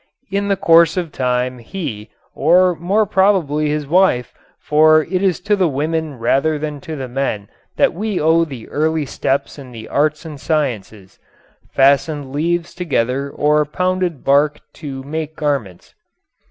In the course of time he or more probably his wife, for it is to the women rather than to the men that we owe the early steps in the arts and sciences fastened leaves together or pounded out bark to make garments.